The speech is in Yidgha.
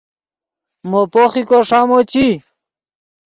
مو پوخیکو ݰامو چی